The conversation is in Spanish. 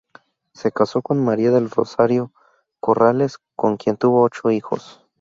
Se casó con María del Rosario Corrales, con quien tuvo ocho hijos.